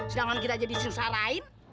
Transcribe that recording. sedangkan kita jadi susah lain